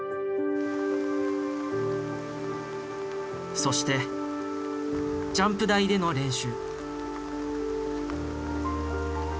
そしてジャンプ台での練習。